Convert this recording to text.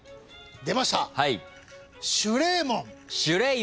出ました。